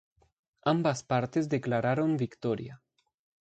Ambas partes declararon victoria.